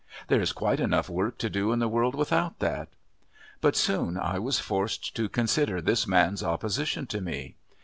There is quite enough work to do in the world without that. But soon I was forced to consider this man's opposition to me.